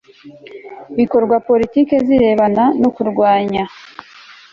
bikorwa politiki zirebana no kurwanya